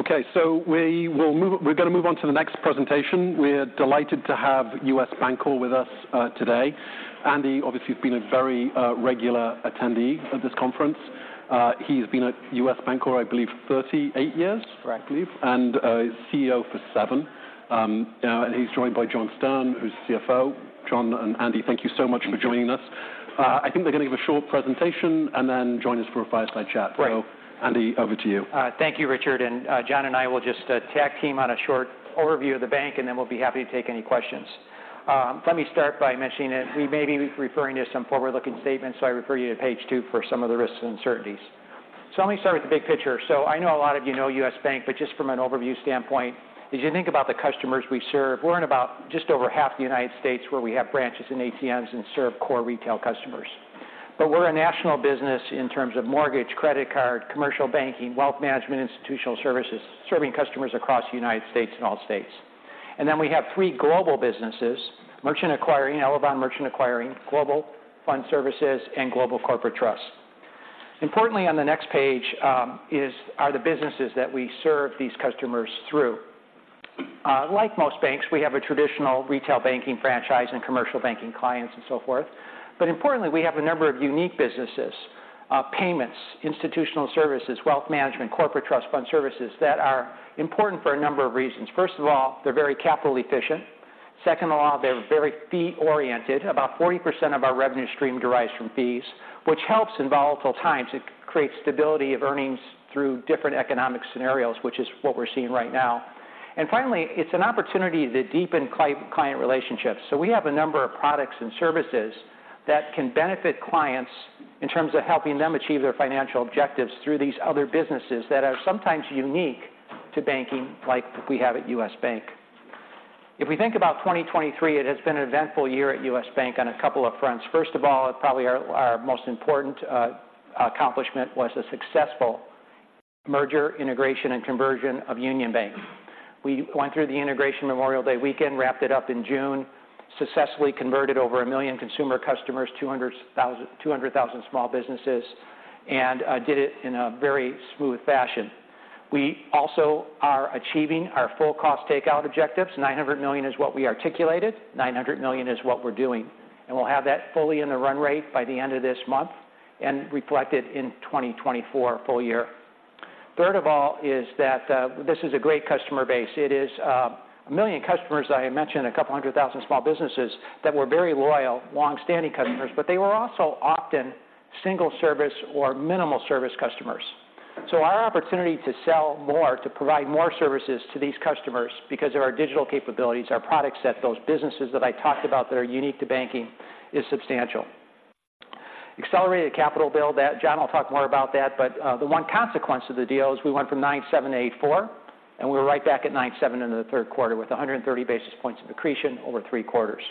Okay, so we will move. We're going to move on to the next presentation. We're delighted to have U.S. Bancorp with us, today. Andy, obviously, you've been a very, regular attendee of this conference. He's been at U.S. Bancorp, I believe, 38 years? Correct. CEO for seven now, and he's joined by John Stern, who's CFO. John and Andy, thank you so much for joining us. Thank you. I think they're going to give a short presentation, and then join us for a fireside chat. Right. Andy, over to you. Thank you, Richard. John and I will just tag team on a short overview of the bank, and then we'll be happy to take any questions. Let me start by mentioning that we may be referring to some forward-looking statements, so I refer you to page two for some of the risks and uncertainties. Let me start with the big picture. I know a lot of you know U.S. Bank, but just from an overview standpoint, as you think about the customers we serve, we're in about just over half the United States, where we have branches and ATMs and serve core retail customers. But we're a national business in terms of mortgage, credit card, commercial banking, wealth management, institutional services, serving customers across the United States and all states. And then we have three global businesses: merchant acquiring, Elavon merchant acquiring, Global Fund Services, and Global Corporate Trust. Importantly, on the next page, are the businesses that we serve these customers through. Like most banks, we have a traditional retail banking franchise and commercial banking clients and so forth. But importantly, we have a number of unique businesses, payments, institutional services, wealth management, corporate trust fund services, that are important for a number of reasons. First of all, they're very capital efficient. Second of all, they're very fee-oriented. About 40% of our revenue stream derives from fees, which helps in volatile times. It creates stability of earnings through different economic scenarios, which is what we're seeing right now. And finally, it's an opportunity to deepen client relationships. So we have a number of products and services that can benefit clients in terms of helping them achieve their financial objectives through these other businesses that are sometimes unique to banking, like we have at U.S. Bank. If we think about 2023, it has been an eventful year at U.S. Bank on a couple of fronts. First of all, probably our most important accomplishment was a successful merger, integration, and conversion of Union Bank. We went through the integration Memorial Day weekend, wrapped it up in June, successfully converted over a million consumer customers, 200,000 small businesses, and did it in a very smooth fashion. We also are achieving our full cost takeout objectives. $900 million is what we articulated, $900 million is what we're doing, and we'll have that fully in the run rate by the end of this month and reflected in 2024 full year. Third of all, this is a great customer base. It is 1 million customers, I mentioned, 200,000 small businesses that were very loyal, long-standing customers, but they were also often single-service or minimal service customers. So our opportunity to sell more, to provide more services to these customers because of our digital capabilities, our product set, those businesses that I talked about that are unique to banking, is substantial. Accelerated capital build, that John will talk more about that, but, the one consequence of the deal is we went from 9.7 to 8.4, and we were right back at 9.7 in the third quarter with 130 basis points of accretion over 3 quarters.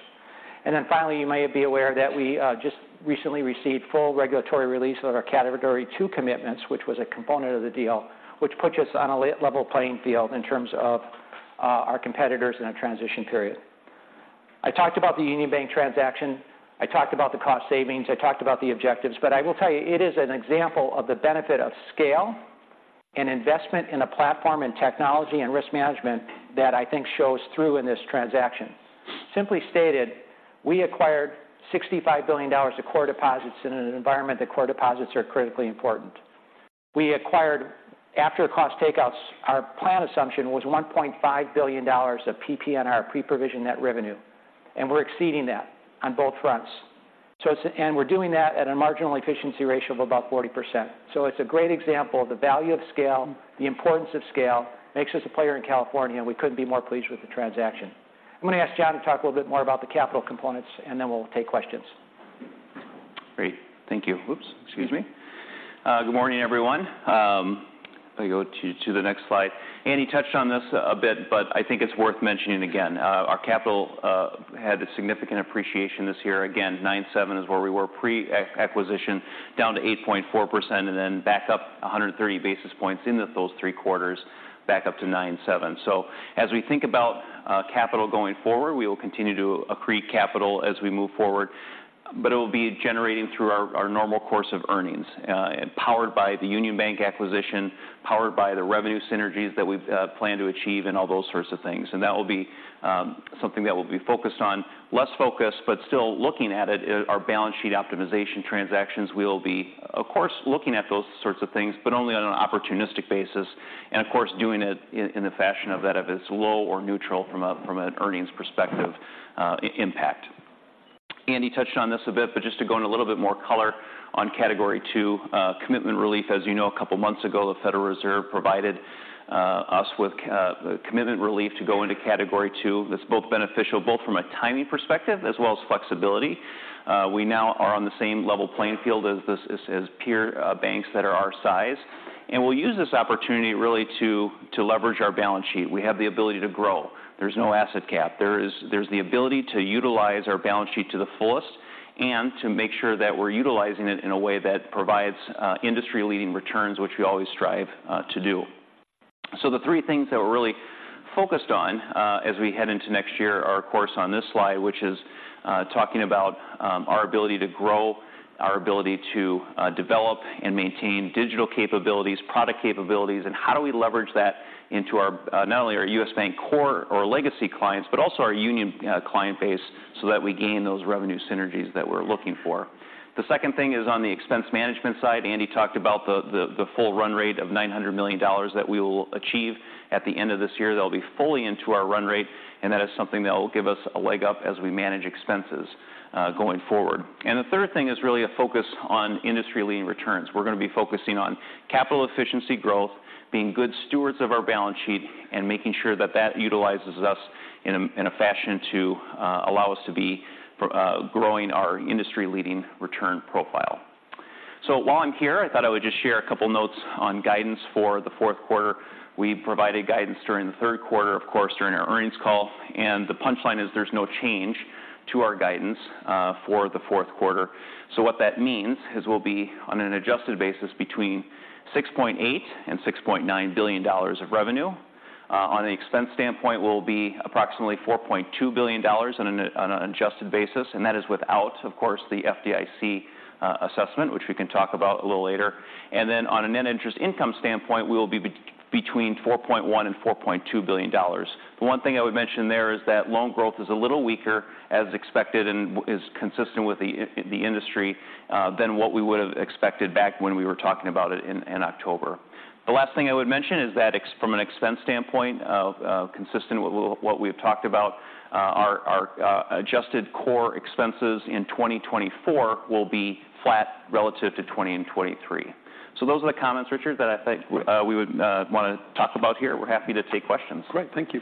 And then finally, you may be aware that we just recently received full regulatory release of our Category II commitments, which was a component of the deal, which puts us on a level playing field in terms of our competitors in a transition period. I talked about the Union Bank transaction, I talked about the cost savings, I talked about the objectives. But I will tell you, it is an example of the benefit of scale and investment in a platform, and technology, and risk management that I think shows through in this transaction. Simply stated, we acquired $65 billion of core deposits in an environment that core deposits are critically important. After cost takeouts, our plan assumption was $1.5 billion of PPNR, pre-provision net revenue, and we're exceeding that on both fronts. So it's, and we're doing that at a marginal efficiency ratio of about 40%. So it's a great example of the value of scale. The importance of scale makes us a player in California, and we couldn't be more pleased with the transaction. I'm going to ask John to talk a little bit more about the capital components, and then we'll take questions. Great. Thank you. Good morning, everyone. If I go to the next slide. Andy touched on this a bit, but I think it's worth mentioning again. Our capital had a significant appreciation this year. Again, 9.7 is where we were pre-acquisition, down to 8.4%, and then back up 130 basis points into those three quarters, back up to 9.7. So as we think about capital going forward, we will continue to accrete capital as we move forward, but it will be generating through our normal course of earnings, and powered by the Union Bank acquisition, powered by the revenue synergies that we've planned to achieve and all those sorts of things. And that will be something that we'll be focused on. Less focused, but still looking at it, is our balance sheet optimization transactions. We will be, of course, looking at those sorts of things, but only on an opportunistic basis, and of course, doing it in the fashion of that of as low or neutral from a, from an earnings perspective, impact. Andy touched on this a bit, but just to go into a little bit more color on Category II commitment relief. As you know, a couple of months ago, the Federal Reserve provided us with commitment relief to go into Category II. That's both beneficial, both from a timing perspective as well as flexibility. We now are on the same level playing field as this, as peer banks that are our size, and we'll use this opportunity really to leverage our balance sheet. We have the ability to grow. There's no asset cap. There is, there's the ability to utilize our balance sheet to the fullest and to make sure that we're utilizing it in a way that provides, industry-leading returns, which we always strive, to do. So the three things that we're focused on, as we head into next year, are of course, on this slide, which is, talking about, our ability to grow, our ability to, develop and maintain digital capabilities, product capabilities, and how do we leverage that into our, not only our U.S. Bank core or legacy clients, but also our Union client base, so that we gain those revenue synergies that we're looking for. The second thing is on the expense management side. Andy talked about the full run rate of $900 million that we will achieve at the end of this year. That'll be fully into our run rate, and that is something that will give us a leg up as we manage expenses going forward. The third thing is really a focus on industry-leading returns. We're going to be focusing on capital efficiency growth, being good stewards of our balance sheet, and making sure that utilizes us in a fashion to allow us to be growing our industry-leading return profile. While I'm here, I thought I would just share a couple of notes on guidance for the fourth quarter. We provided guidance during the third quarter, of course, during our earnings call, and the punchline is there's no change to our guidance for the fourth quarter. So what that means is we'll be, on an adjusted basis, between $6.8 billion and $6.9 billion of revenue. On the expense standpoint, we'll be approximately $4.2 billion on an adjusted basis, and that is without, of course, the FDIC assessment, which we can talk about a little later. And then on a net interest income standpoint, we will be between $4.1 billion and $4.2 billion. The one thing I would mention there is that loan growth is a little weaker as expected and is consistent with the industry than what we would have expected back when we were talking about it in October. The last thing I would mention is that from an expense standpoint, consistent with what we've talked about, our adjusted core expenses in 2024 will be flat relative to 2023. So those are the comments, Richard, that I think- Great. We would want to talk about here. We're happy to take questions. Great. Thank you.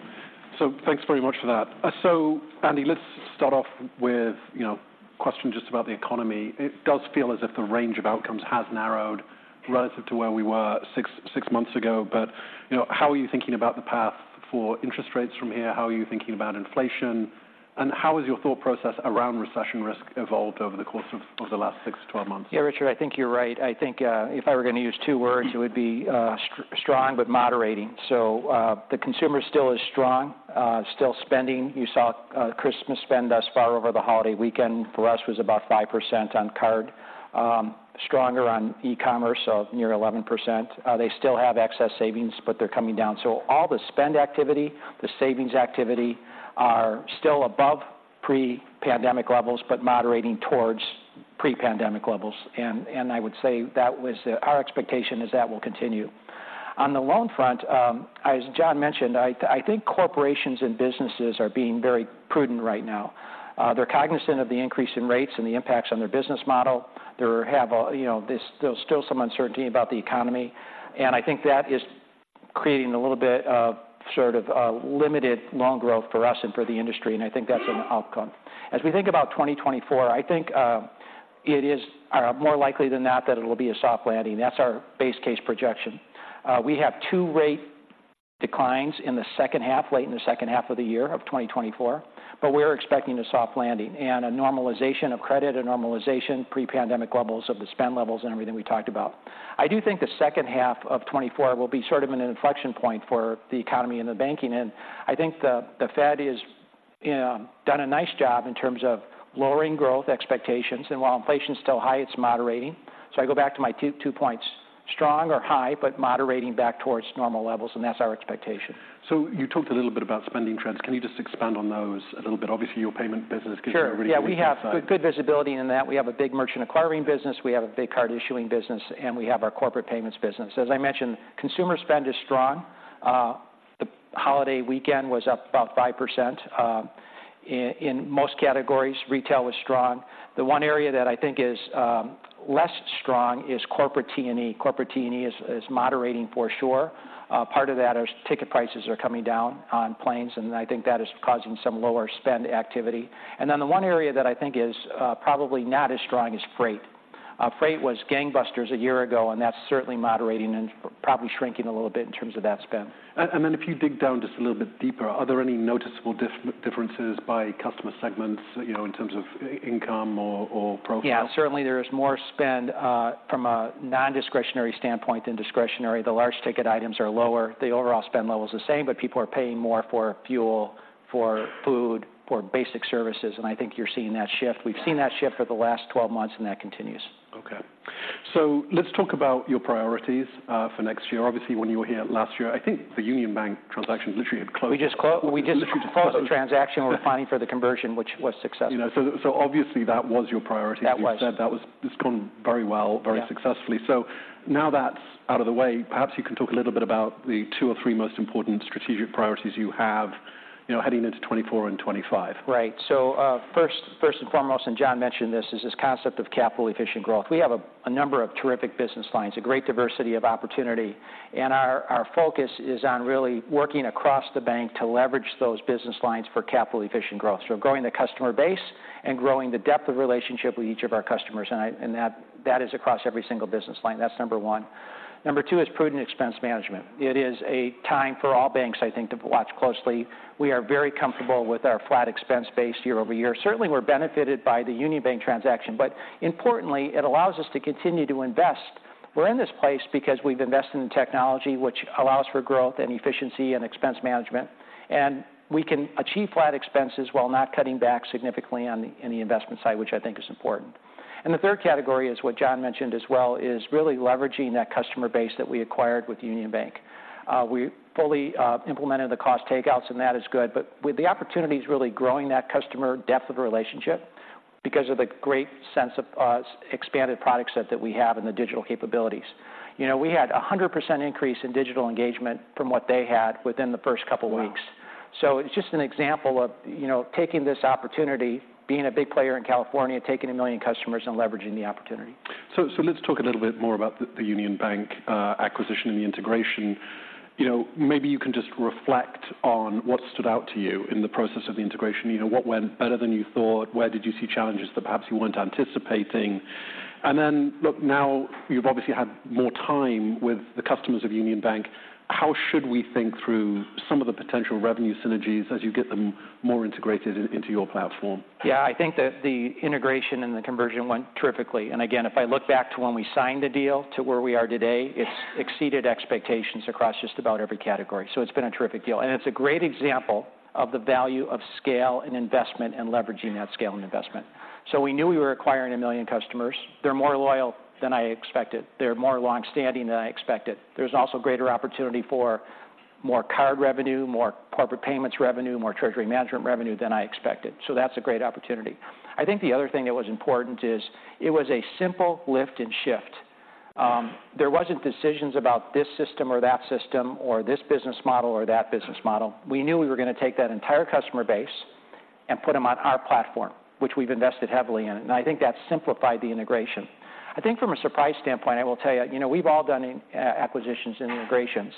So thanks very much for that. So Andy, let's start off with, you know, a question just about the economy. It does feel as if the range of outcomes has narrowed relative to where we were 6 months ago. But, you know, how are you thinking about the path for interest rates from here? How are you thinking about inflation, and how has your thought process around recession risk evolved over the course of the last 6-12 months? Yeah, Richard, I think you're right. I think, if I were going to use two words, it would be, strong but moderating. So, the consumer still is strong, still spending. You saw, Christmas spend thus far over the holiday weekend, for us, was about 5% on card. Stronger on e-commerce, so near 11%. They still have excess savings, but they're coming down. So all the spend activity, the savings activity, are still above pre-pandemic levels, but moderating towards pre-pandemic levels. And, I would say that was our expectation is that will continue. On the loan front, as John mentioned, I think corporations and businesses are being very prudent right now. They're cognizant of the increase in rates and the impacts on their business model. You know, there's still some uncertainty about the economy, and I think that is creating a little bit of sort of limited loan growth for us and for the industry, and I think that's an outcome. As we think about 2024, I think it is more likely than not that it'll be a soft landing. That's our base case projection. We have 2 rate declines in the second half, late in the second half of the year of 2024, but we're expecting a soft landing and a normalization of credit, a normalization pre-pandemic levels of the spend levels and everything we talked about. I do think the second half of 2024 will be sort of an inflection point for the economy and the banking, and I think the Fed has, you know, done a nice job in terms of lowering growth expectations, and while inflation is still high, it's moderating. So I go back to my two points, strong or high, but moderating back towards normal levels, and that's our expectation. So you talked a little bit about spending trends. Can you just expand on those a little bit? Obviously, your payment business gives you a really good insight. Sure. Yeah, we have good, good visibility in that. We have a big merchant acquiring business, we have a big card issuing business, and we have our corporate payments business. As I mentioned, consumer spend is strong. The holiday weekend was up about 5%. In most categories, retail was strong. The one area that I think is less strong is corporate T&E. Corporate T&E is moderating for sure. Part of that is ticket prices are coming down on planes, and I think that is causing some lower spend activity. And then the one area that I think is probably not as strong is freight. Freight was gangbusters a year ago, and that's certainly moderating and probably shrinking a little bit in terms of that spend. And then if you dig down just a little bit deeper, are there any noticeable differences by customer segments, you know, in terms of income or profile? Yeah, certainly there is more spend from a non-discretionary standpoint than discretionary. The large ticket items are lower. The overall spend level is the same, but people are paying more for fuel, for food, for basic services, and I think you're seeing that shift. We've seen that shift for the last 12 months, and that continues. Okay. So let's talk about your priorities for next year. Obviously, when you were here last year, I think the Union Bank transaction literally had closed. We just clo- Literally just closed. We just closed the transaction. We were planning for the conversion, which was successful. You know, so, so obviously that was your priority. That was. You said that was... It's gone very well. Yeah... very successfully. So now that's out of the way, perhaps you can talk a little bit about the two or three most important strategic priorities you have, you know, heading into 2024 and 2025? Right. So, first and foremost, and John mentioned this, is this concept of capital efficient growth. We have a number of terrific business lines, a great diversity of opportunity, and our focus is on really working across the bank to leverage those business lines for capital efficient growth. So growing the customer base and growing the depth of relationship with each of our customers, and that is across every single business line. That's number one. Number two is prudent expense management. It is a time for all banks, I think, to watch closely. We are very comfortable with our flat expense base year-over-year. Certainly, we're benefited by the Union Bank transaction, but importantly, it allows us to continue to invest... We're in this place because we've invested in technology, which allows for growth and efficiency and expense management, and we can achieve flat expenses while not cutting back significantly on the investment side, which I think is important. The third category is what John mentioned as well, is really leveraging that customer base that we acquired with Union Bank. We fully implemented the cost takeouts, and that is good. But with the opportunities really growing that customer depth of relationship because of the great sense of expanded product set that we have in the digital capabilities. You know, we had a 100% increase in digital engagement from what they had within the first couple of weeks. Wow! It's just an example of, you know, taking this opportunity, being a big player in California, taking 1 million customers, and leveraging the opportunity. So, let's talk a little bit more about the Union Bank acquisition and the integration. You know, maybe you can just reflect on what stood out to you in the process of the integration. You know, what went better than you thought? Where did you see challenges that perhaps you weren't anticipating? And then, look, now you've obviously had more time with the customers of Union Bank. How should we think through some of the potential revenue synergies as you get them more integrated into your platform? Yeah, I think that the integration and the conversion went terrifically. Again, if I look back to when we signed the deal to where we are today, it's exceeded expectations across just about every category. So it's been a terrific deal, and it's a great example of the value of scale and investment and leveraging that scale and investment. So we knew we were acquiring 1 million customers. They're more loyal than I expected. They're more long-standing than I expected. There's also greater opportunity for more card revenue, more corporate payments revenue, more treasury management revenue than I expected, so that's a great opportunity. I think the other thing that was important is it was a simple lift and shift. There wasn't decisions about this system or that system or this business model or that business model. We knew we were going to take that entire customer base and put them on our platform, which we've invested heavily in, and I think that simplified the integration. I think from a surprise standpoint, I will tell you, you know, we've all done acquisitions and integrations.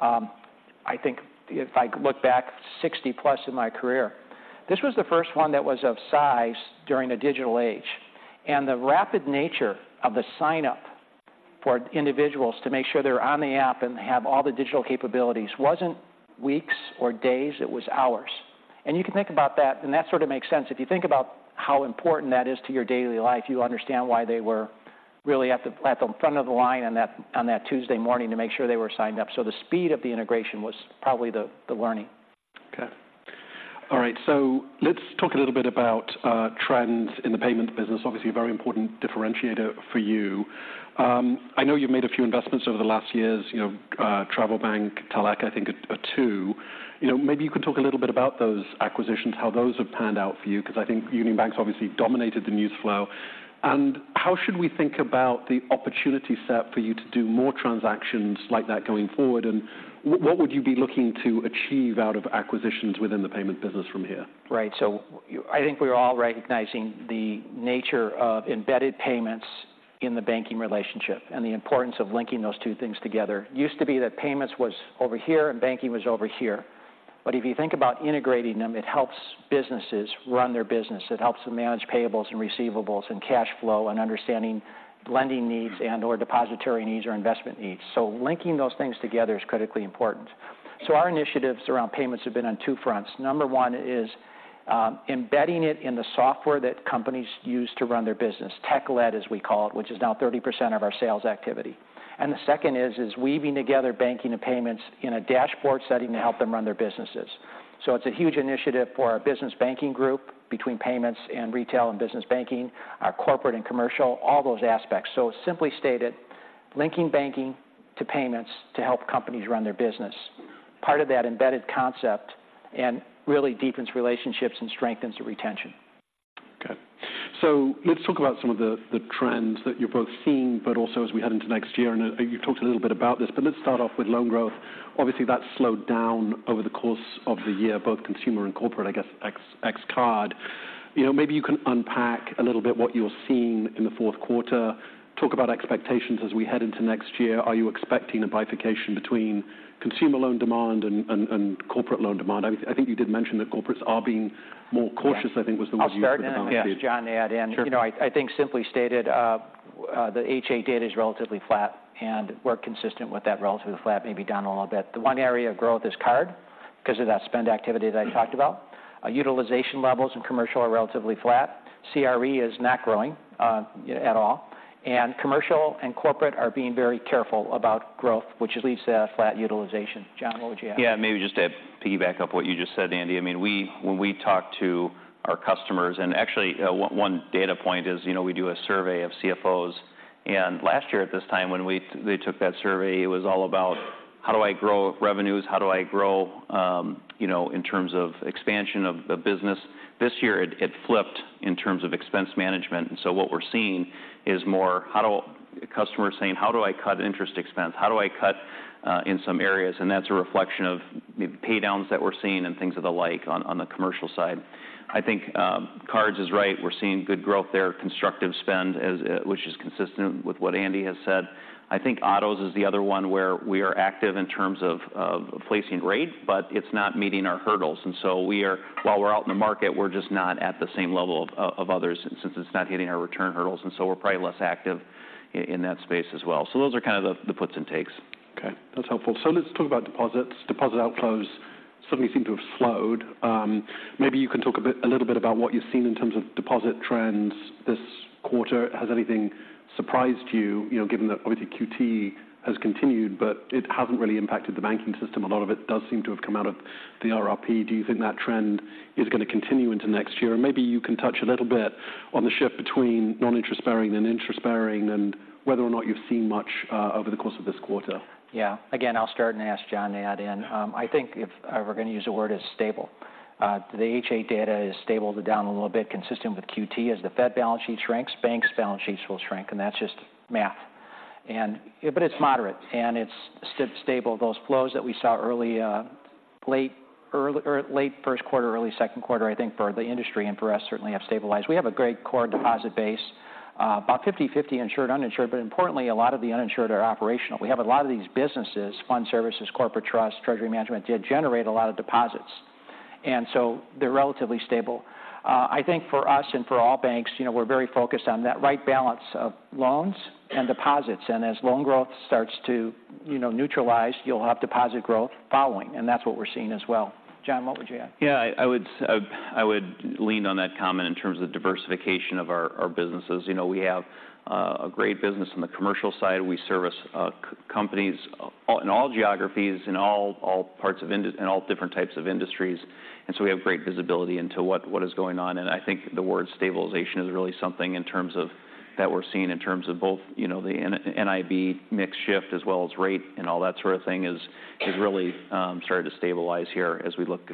I think if I look back 60+ in my career, this was the first one that was of size during the digital age. The rapid nature of the sign-up for individuals to make sure they're on the app and have all the digital capabilities wasn't weeks or days, it was hours. You can think about that, and that sort of makes sense. If you think about how important that is to your daily life, you understand why they were really at the front of the line on that Tuesday morning to make sure they were signed up. So the speed of the integration was probably the learning. Okay. All right, so let's talk a little bit about trends in the payment business. Obviously, a very important differentiator for you. I know you've made a few investments over the last years, you know, TravelBank, talech, I think are two. You know, maybe you could talk a little bit about those acquisitions, how those have panned out for you, because I think Union Bank's obviously dominated the news flow. And how should we think about the opportunity set for you to do more transactions like that going forward? And what would you be looking to achieve out of acquisitions within the payment business from here? Right. So I think we're all recognizing the nature of embedded payments in the banking relationship and the importance of linking those two things together. It used to be that payments was over here and banking was over here, but if you think about integrating them, it helps businesses run their business. It helps them manage payables and receivables and cash flow and understanding lending needs and/or depository needs or investment needs. So linking those things together is critically important. So our initiatives around payments have been on two fronts. Number one is embedding it in the software that companies use to run their business. Tech-led, as we call it, which is now 30% of our sales activity. And the second is weaving together banking and payments in a dashboard setting to help them run their businesses.. So it's a huge initiative for our business banking group between payments and retail and business banking, our corporate and commercial, all those aspects. So simply stated, linking banking to payments to help companies run their business. Part of that embedded concept and really deepens relationships and strengthens the retention. Okay. So let's talk about some of the trends that you're both seeing, but also as we head into next year, and you talked a little bit about this, but let's start off with loan growth. Obviously, that's slowed down over the course of the year, both consumer and corporate, I guess, ex-card. You know, maybe you can unpack a little bit what you're seeing in the fourth quarter. Talk about expectations as we head into next year. Are you expecting a bifurcation between consumer loan demand and corporate loan demand? I think you did mention that corporates are being more cautious- Yeah... I think, was the word you used. I'll start, and then ask John to add in. Sure. You know, I think simply stated, the H.8 data is relatively flat, and we're consistent with that relatively flat, maybe down a little bit. The one area of growth is card because of that spend activity that I talked about. Utilization levels in commercial are relatively flat. CRE is not growing at all, and commercial and corporate are being very careful about growth, which leads to flat utilization. John, what would you add? Yeah, maybe just to piggyback up what you just said, Andy. I mean, when we talk to our customers... And actually, one data point is, you know, we do a survey of CFOs, and last year at this time, when they took that survey, it was all about: How do I grow revenues? How do I grow, in terms of expansion of the business? This year it flipped in terms of expense management, and so what we're seeing is more how do customers saying: How do I cut interest expense? How do I cut in some areas? And that's a reflection of the paydowns that we're seeing and things of the like on the commercial side. I think, cards is right. We're seeing good growth there, constructive spend, as which is consistent with what Andy has said. I think autos is the other one where we are active in terms of placing rate, but it's not meeting our hurdles, and so we are, while we're out in the market, we're just not at the same level of others since it's not hitting our return hurdles, and so we're probably less active in that space as well. So those are kind of the puts and takes. Okay, that's helpful. So let's talk about deposits. Deposit outflows... suddenly seem to have slowed. Maybe you can talk a bit, a little bit about what you've seen in terms of deposit trends this quarter. Has anything surprised you, you know, given that obviously QT has continued, but it hasn't really impacted the banking system? A lot of it does seem to have come out of the RRP. Do you think that trend is going to continue into next year? And maybe you can touch a little bit on the shift between non-interest bearing and interest bearing, and whether or not you've seen much over the course of this quarter. Yeah. Again, I'll start and ask John to add in. I think if I were going to use a word, it's stable. The H.8 data is stable to down a little bit, consistent with QT. As the Fed balance sheet shrinks, banks' balance sheets will shrink, and that's just math. But it's moderate, and it's stable. Those flows that we saw late first quarter, early second quarter, I think for the industry and for us, certainly have stabilized. We have a great core deposit base, about 50/50 insured, uninsured, but importantly, a lot of the uninsured are operational. We have a lot of these businesses, fund services, corporate trust, treasury management, did generate a lot of deposits, and so they're relatively stable. I think for us and for all banks, you know, we're very focused on that right balance of loans and deposits, and as loan growth starts to, you know, neutralize, you'll have deposit growth following, and that's what we're seeing as well. John, what would you add? Yeah, I would lean on that comment in terms of diversification of our businesses. You know, we have a great business on the commercial side. We service companies in all geographies, in all parts of in all different types of industries, and so we have great visibility into what is going on. And I think the word stabilization is really something in terms of that we're seeing in terms of both, you know, the NIB mix shift as well as rate, and all that sort of thing is really starting to stabilize here as we look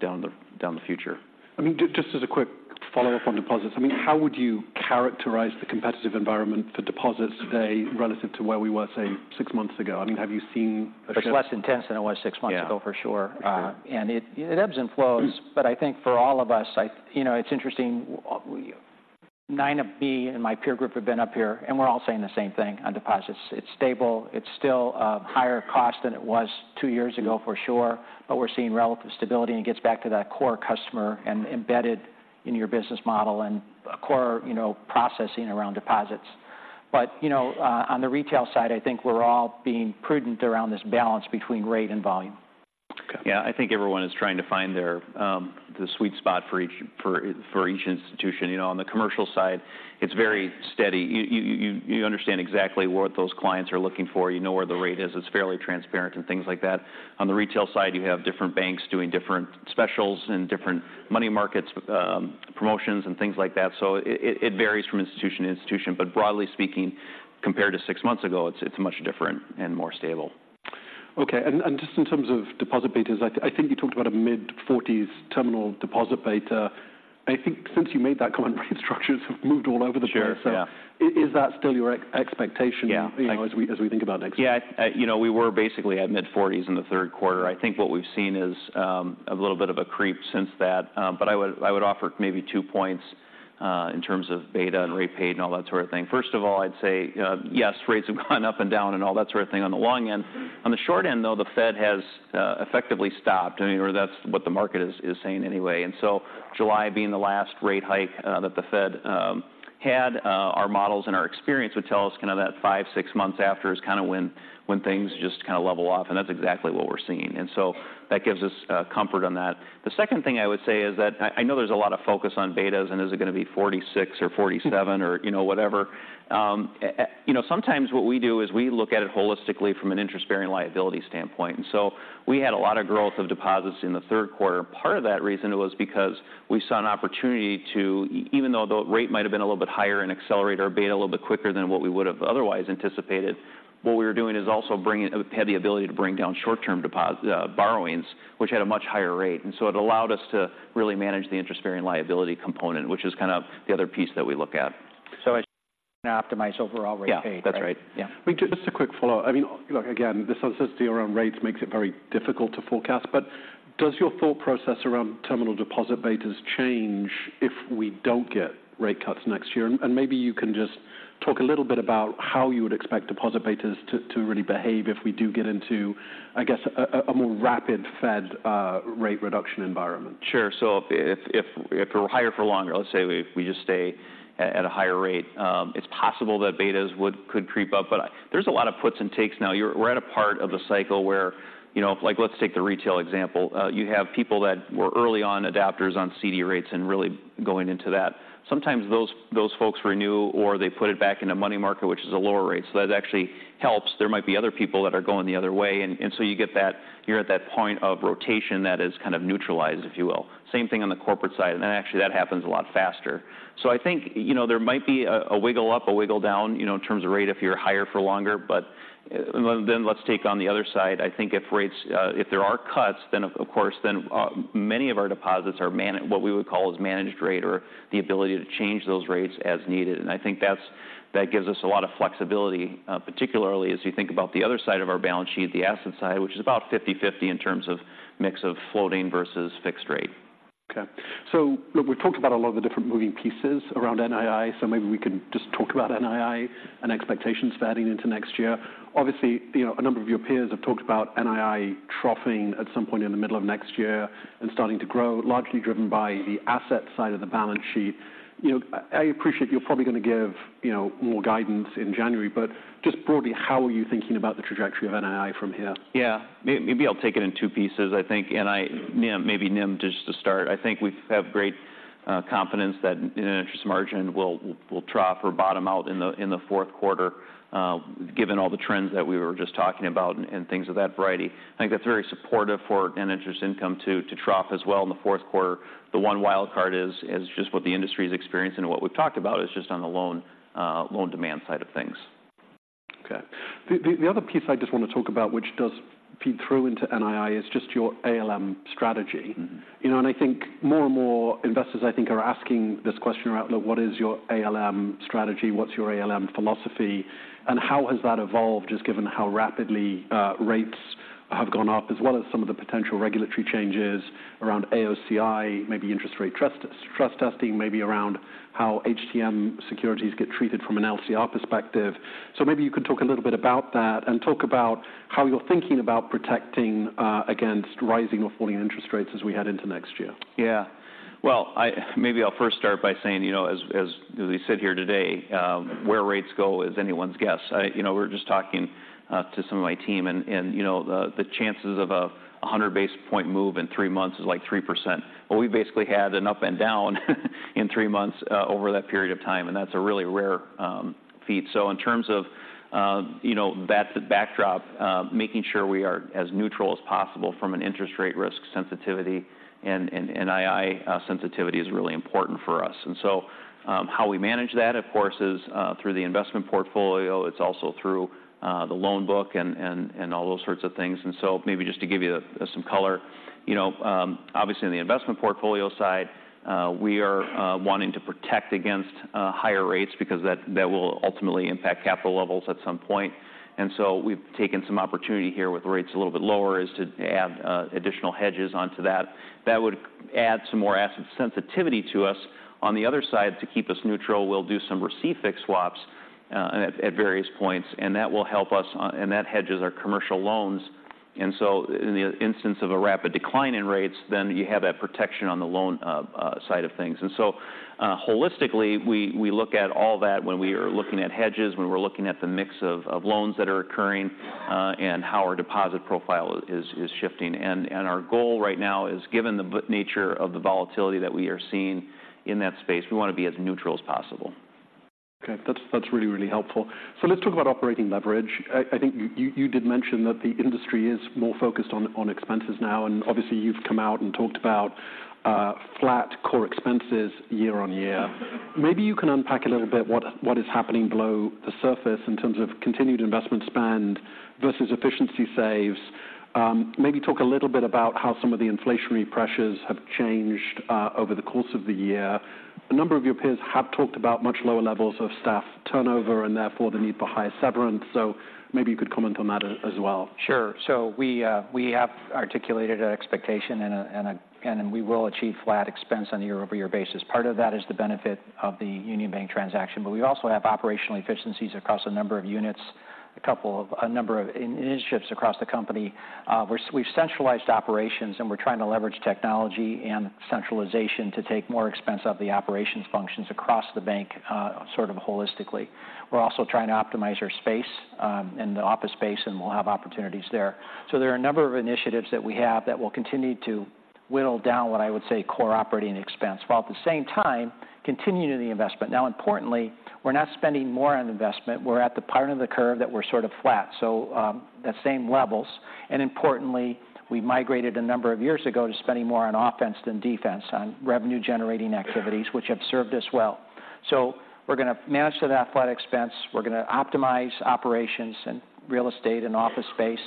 down the future. I mean, just as a quick follow-up on deposits, I mean, how would you characterize the competitive environment for deposits today relative to where we were, say, six months ago? I mean, have you seen a shift? It's less intense than it was six months ago- Yeah... for sure. For sure. And it ebbs and flows, but I think for all of us, I—you know, it's interesting, nine of me and my peer group have been up here, and we're all saying the same thing on deposits. It's stable. It's still higher cost than it was two years ago, for sure, but we're seeing relative stability, and it gets back to that core customer and embedded in your business model and a core, you know, processing around deposits. But you know, on the retail side, I think we're all being prudent around this balance between rate and volume. Okay. Yeah, I think everyone is trying to find their the sweet spot for each institution. You know, on the commercial side, it's very steady. You understand exactly what those clients are looking for. You know where the rate is. It's fairly transparent and things like that. On the retail side, you have different banks doing different specials and different money markets promotions and things like that. So it varies from institution to institution, but broadly speaking, compared to six months ago, it's much different and more stable. Okay. And just in terms of deposit betas, I think you talked about a mid-forties terminal deposit beta. I think since you made that comment, rate structures have moved all over the place. Sure. Yeah. Is that still your expectation? Yeah - you know, as we, as we think about next year? Yeah. You know, we were basically at mid-forties in the third quarter. I think what we've seen is a little bit of a creep since that, but I would, I would offer maybe two points in terms of beta and rate paid and all that sort of thing. First of all, I'd say yes, rates have gone up and down and all that sort of thing on the long end. On the short end, though, the Fed has effectively stopped, I mean, or that's what the market is saying anyway. And so July being the last rate hike that the Fed had, our models and our experience would tell us kind of that five to six months after is kind of when things just kind of level off, and that's exactly what we're seeing. And so that gives us comfort on that. The second thing I would say is that I know there's a lot of focus on betas, and is it going to be 46 or 47 or, you know, whatever. You know, sometimes what we do is we look at it holistically from an interest-bearing liability standpoint. And so we had a lot of growth of deposits in the third quarter. Part of that reason was because we saw an opportunity to even though the rate might have been a little bit higher and accelerate our beta a little bit quicker than what we would have otherwise anticipated, what we were doing is also bringing had the ability to bring down short-term deposit borrowings, which had a much higher rate. So it allowed us to really manage the interest-bearing liability component, which is kind of the other piece that we look at. So it optimizes overall rate paid. Yeah. That's right. Yeah. Just a quick follow-up. I mean, look, again, the uncertainty around rates makes it very difficult to forecast, but does your thought process around terminal deposit betas change if we don't get rate cuts next year? And maybe you can just talk a little bit about how you would expect deposit betas to really behave if we do get into, I guess, a more rapid Fed rate reduction environment. Sure. So if we're higher for longer, let's say we just stay at a higher rate, it's possible that betas would—could creep up, but there's a lot of puts and takes now. We're at a part of the cycle where, you know, like, let's take the retail example. You have people that were early adopters on CD rates and really going into that. Sometimes those folks renew or they put it back in the money market, which is a lower rate, so that actually helps. There might be other people that are going the other way, and so you get that, you're at that point of rotation that is kind of neutralized, if you will. Same thing on the corporate side, and actually that happens a lot faster. So I think, you know, there might be a, a wiggle up, a wiggle down, you know, in terms of rate if you're higher for longer. But then let's take on the other side. I think if rates -- if there are cuts, then of course, then many of our deposits are what we would call managed rate or the ability to change those rates as needed. And I think that gives us a lot of flexibility, particularly as you think about the other side of our balance sheet, the asset side, which is about 50/50 in terms of mix of floating versus fixed rate. Okay. So look, we've talked about a lot of the different moving pieces around NII, so maybe we can just talk about NII and expectations fading into next year. Obviously, you know, a number of your peers have talked about NII troughing at some point in the middle of next year and starting to grow, largely driven by the asset side of the balance sheet. You know, I appreciate you're probably going to give, you know, more guidance in January, but just broadly, how are you thinking about the trajectory of NII from here? Yeah. Maybe I'll take it in two pieces, I think, NII, NIM. Maybe NIM, just to start. I think we have great confidence that net interest margin will, will trough or bottom out in the fourth quarter, given all the trends that we were just talking about and things of that variety. I think that's very supportive for net interest income to, to trough as well in the fourth quarter. The one wild card is just what the industry is experiencing, and what we've talked about is just on the loan demand side of things. Okay. The other piece I just want to talk about, which does feed through into NII, is just your ALM strategy. Mm-hmm. You know, and I think more and more investors, I think, are asking this question around, like, what is your ALM strategy? What's your ALM philosophy, and how has that evolved, just given how rapidly rates have gone up, as well as some of the potential regulatory changes around AOCI, maybe interest rate risk, risk testing, maybe around how HTM securities get treated from an LCR perspective? So maybe you could talk a little bit about that and talk about how you're thinking about protecting against rising or falling interest rates as we head into next year. Yeah. Well, maybe I'll first start by saying, you know, as, as we sit here today, where rates go is anyone's guess. I, you know, we were just talking to some of my team and, and, you know, the, the chances of a 100 base point move in three months is, like, 3%. Well, we basically had an up and down in three months over that period of time, and that's a really rare feat. So in terms of, you know, that's the backdrop, making sure we are as neutral as possible from an interest rate risk sensitivity and, and NII sensitivity is really important for us. And so, how we manage that, of course, is through the investment portfolio. It's also through the loan book and, and, and all those sorts of things. Maybe just to give you some color, you know, obviously, on the investment portfolio side, we are wanting to protect against higher rates because that will ultimately impact capital levels at some point. We've taken some opportunity here with rates a little bit lower, is to add additional hedges onto that. That would add some more asset sensitivity to us. On the other side, to keep us neutral, we'll do some receive-fixed swaps at various points, and that will help us on... That hedges our commercial loans. In the instance of a rapid decline in rates, then you have that protection on the loan side of things. Holistically, we, we look at all that when we are looking at hedges, when we're looking at the mix of, of loans that are occurring, and how our deposit profile is, is shifting. Our goal right now is, given the nature of the volatility that we are seeing in that space, we want to be as neutral as possible. Okay. That's really, really helpful. So let's talk about operating leverage. I think you did mention that the industry is more focused on expenses now, and obviously, you've come out and talked about flat core expenses year-over-year. Maybe you can unpack a little bit what is happening below the surface in terms of continued investment spend versus efficiency saves. Maybe talk a little bit about how some of the inflationary pressures have changed over the course of the year. A number of your peers have talked about much lower levels of staff turnover and therefore the need for higher severance, so maybe you could comment on that as well. Sure. So we, we have articulated an expectation and we will achieve flat expense on a year-over-year basis. Part of that is the benefit of the Union Bank transaction, but we also have operational efficiencies across a number of units, a number of initiatives across the company. We've centralized operations, and we're trying to leverage technology and centralization to take more expense out of the operations functions across the bank, sort of holistically. We're also trying to optimize our space, and the office space, and we'll have opportunities there. So there are a number of initiatives that we have that will continue to whittle down what I would say, core operating expense, while at the same time, continuing the investment. Now, importantly, we're not spending more on investment. We're at the part of the curve that we're sort of flat, so, the same levels. And importantly, we migrated a number of years ago to spending more on offense than defense, on revenue-generating activities, which have served us well. So we're going to manage to that flat expense. We're going to optimize operations and real estate and office space.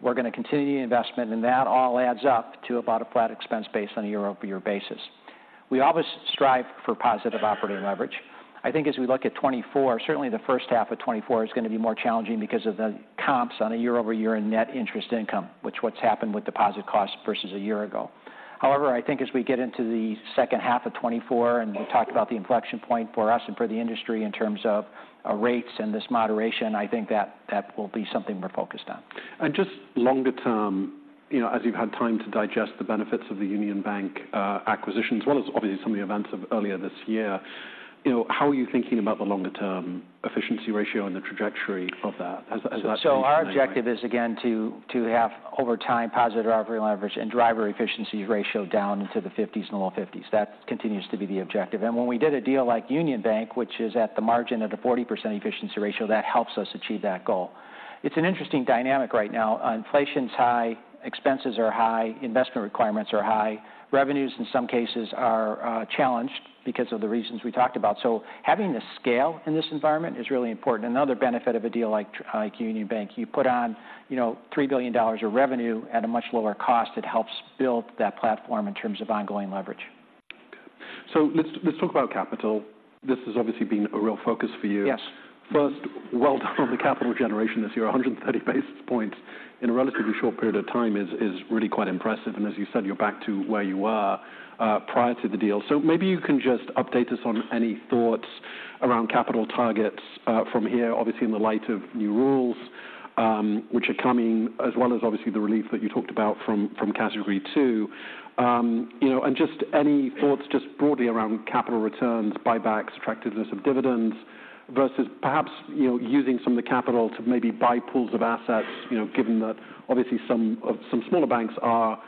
We're going to continue the investment, and that all adds up to about a flat expense base on a year-over-year basis. We always strive for positive operating leverage. I think as we look at 2024, certainly the first half of 2024 is going to be more challenging because of the comps on a year-over-year in net interest income, which what's happened with deposit costs versus a year ago. However, I think as we get into the second half of 2024, and we talk about the inflection point for us and for the industry in terms of rates and this moderation, I think that that will be something we're focused on. Just longer term, you know, as you've had time to digest the benefits of the Union Bank acquisition, as well as obviously some of the events of earlier this year, you know, how are you thinking about the longer term efficiency ratio and the trajectory of that as that- So our objective is, again, to, to have, over time, positive operating leverage and drive our efficiency ratio down into the fifties and low fifties. That continues to be the objective. And when we did a deal like Union Bank, which is at the margin of the 40% efficiency ratio, that helps us achieve that goal. It's an interesting dynamic right now. Inflation's high, expenses are high, investment requirements are high. Revenues, in some cases, are challenged because of the reasons we talked about. So having the scale in this environment is really important. Another benefit of a deal like Union Bank, you put on, you know, $3 billion of revenue at a much lower cost. It helps build that platform in terms of ongoing leverage. So let's talk about capital. This has obviously been a real focus for you. Yes. First, well done on the capital generation this year. 130 basis points in a relatively short period of time is really quite impressive, and as you said, you're back to where you were prior to the deal. So maybe you can just update us on any thoughts around capital targets from here, obviously in the light of new rules? Which are coming, as well as obviously the relief that you talked about from Category II. You know, and just any thoughts, just broadly around capital returns, buybacks, attractiveness of dividends, versus perhaps, you know, using some of the capital to maybe buy pools of assets, you know, given that obviously some smaller banks are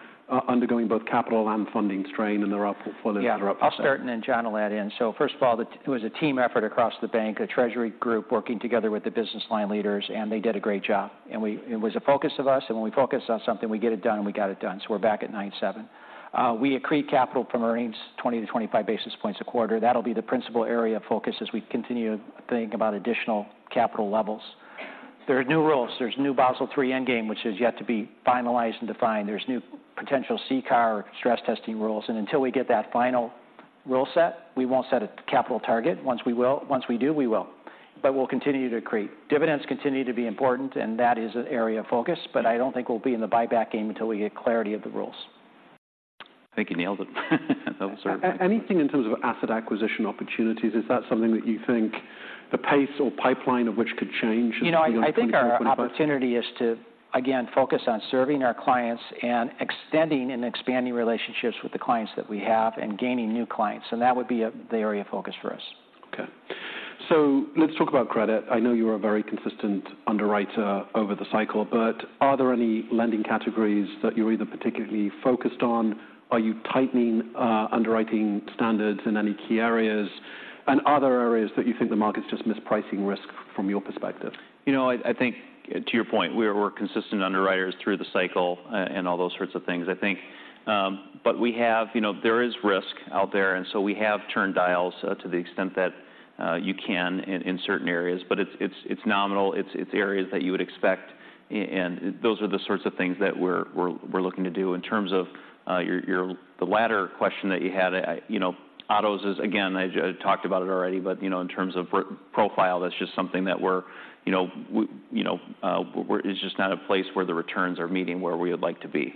undergoing both capital and funding strain, and there are others that are up for sale? Yeah, I'll start and then John will add in. So first of all, it was a team effort across the bank, a treasury group working together with the business line leaders, and they did a great job. It was a focus of ours, and when we focus on something, we get it done, and we got it done, so we're back at 9.7. We accrete capital from earnings 20-25 basis points a quarter. That'll be the principal area of focus as we continue to think about additional capital levels. There are new rules. There's new Basel III Endgame, which is yet to be finalized and defined. There's new potential CCAR stress testing rules, and until we get that final rule set, we won't set a capital target. Once we do, we will, but we'll continue to accrete. Dividends continue to be important, and that is an area of focus, but I don't think we'll be in the buyback game until we get clarity of the rules. I think you nailed it. Anything in terms of asset acquisition opportunities, is that something that you think the pace or pipeline of which could change as we look into 2025? You know, I think our opportunity is to, again, focus on serving our clients and extending and expanding relationships with the clients that we have and gaining new clients, so that would be the area of focus for us. Okay. So let's talk about credit. I know you are a very consistent underwriter over the cycle, but are there any lending categories that you're either particularly focused on? Are you tightening, underwriting standards in any key areas? And are there areas that you think the market's just mispricing risk from your perspective? You know, I think, to your point, we're consistent underwriters through the cycle and all those sorts of things. I think, but we have... You know, there is risk out there, and so we have turned dials up to the extent that you can in certain areas, but it's nominal. It's areas that you would expect and those are the sorts of things that we're looking to do. In terms of the latter question that you had, you know, autos is, again, I talked about it already, but, you know, in terms of profile, that's just something that we're, you know, it's just not a place where the returns are meeting where we would like to be.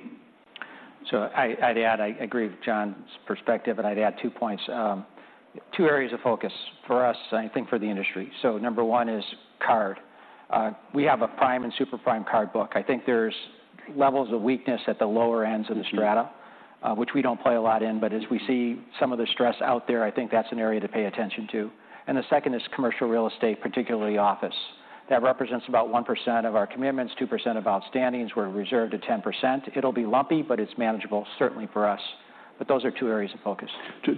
So, I'd add, I agree with John's perspective, and I'd add two points. Two areas of focus for us, I think, for the industry. So number one is card. We have a prime and super prime card book. I think there's levels of weakness at the lower ends of the strata- Mm-hmm. which we don't play a lot in, but as we see some of the stress out there, I think that's an area to pay attention to. And the second is commercial real estate, particularly office. That represents about 1% of our commitments, 2% of outstandings. We're reserved at 10%. It'll be lumpy, but it's manageable, certainly for us. But those are two areas of focus.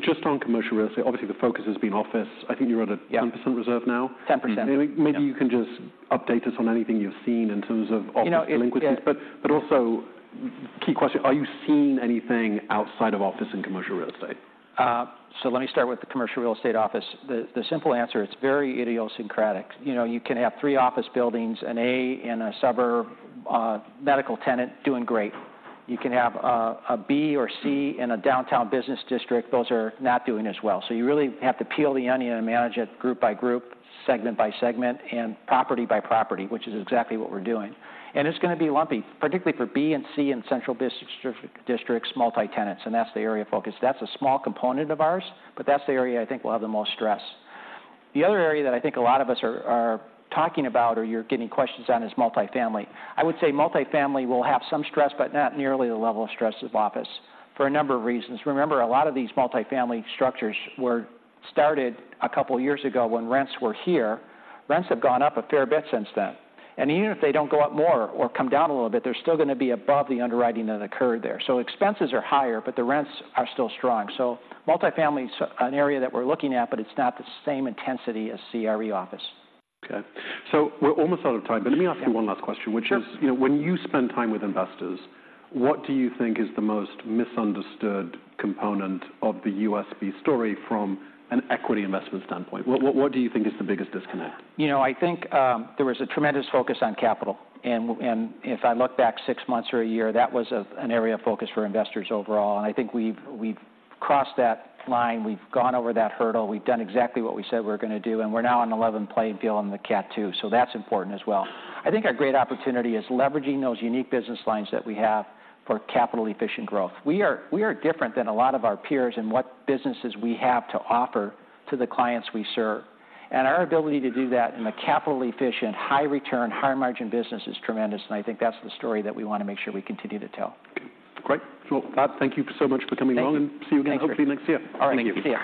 Just on commercial real estate, obviously, the focus has been office. I think you're at a- Yeah 10% reserve now? 10%, yeah. Maybe you can just update us on anything you've seen in terms of office delinquencies? You know, But also, key question: Are you seeing anything outside of office and commercial real estate? So let me start with the commercial real estate office. The simple answer, it's very idiosyncratic. You know, you can have three office buildings, an A in a suburb, medical tenant doing great. You can have a B or C in a downtown business district. Those are not doing as well. So you really have to peel the onion and manage it group by group, segment by segment, and property by property, which is exactly what we're doing. And it's gonna be lumpy, particularly for B and C in central business district multi-tenants, and that's the area of focus. That's a small component of ours, but that's the area I think will have the most stress. The other area that I think a lot of us are talking about, or you're getting questions on, is multifamily. I would say multifamily will have some stress, but not nearly the level of stress as office, for a number of reasons. Remember, a lot of these multifamily structures were started a couple of years ago when rents were here. Rents have gone up a fair bit since then, and even if they don't go up more or come down a little bit, they're still gonna be above the underwriting that occurred there. So expenses are higher, but the rents are still strong. So multifamily is an area that we're looking at, but it's not the same intensity as CRE office. Okay, so we're almost out of time. Yeah. Let me ask you one last question- Sure. Which is, you know, when you spend time with investors, what do you think is the most misunderstood component of the USB story from an equity investment standpoint? What, what, what do you think is the biggest disconnect? You know, I think there was a tremendous focus on capital, and if I look back six months or a year, that was an area of focus for investors overall. I think we've crossed that line. We've gone over that hurdle. We've done exactly what we said we were gonna do, and we're now on a level playing field in the Cat II, so that's important as well. I think our great opportunity is leveraging those unique business lines that we have for capital-efficient growth. We are different than a lot of our peers in what businesses we have to offer to the clients we serve, and our ability to do that in a capital-efficient, high-return, high-margin business is tremendous, and I think that's the story that we want to make sure we continue to tell. Okay, great. Well, guys, thank you so much for coming on- Thank you... and see you again, hopefully next year. All right. See you.